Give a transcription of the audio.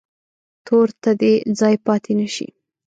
تور ته دې ځای پاتې نه شي.